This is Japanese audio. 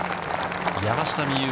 山下美夢